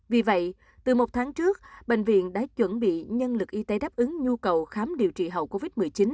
vì vậy từ một tháng trước bệnh viện đã chuẩn bị nhân lực y tế đáp ứng nhu cầu khám điều trị hậu covid một mươi chín